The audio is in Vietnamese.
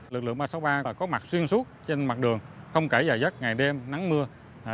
lực lượng ba trăm sáu mươi ba có mặt xuyên suốt trên mặt đường không kể giờ giấc ngày đêm nắng mưa